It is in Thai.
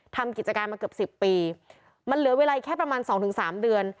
ทำกิจการมาเกือบสิบปีมันเหลือเวลาแค่ประมาณสองถึงสามเดือน